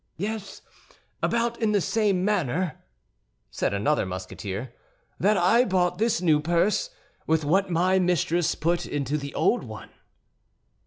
"Yes; about in the same manner," said another Musketeer, "that I bought this new purse with what my mistress put into the old one."